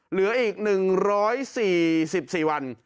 เหลืออีก๑๔๔วัน